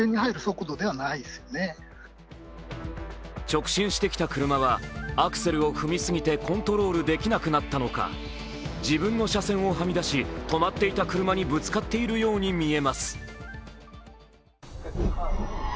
直進してきた車はアクセルを踏みすぎてコントロールできなくなったのか、自分の車線をはみ出し止まっていた車にぶつかっているように見えます。